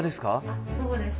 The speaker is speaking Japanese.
あっそうです。